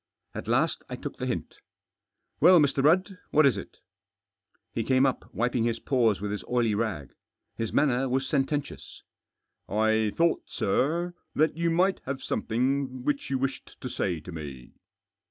At last I took th e hint Well, Mr. Hudd, what is it ?" He came up, wiping his paws with his oily rag. If is manner was sententious. " I thought, sir, that you might have something which you wished to say to me."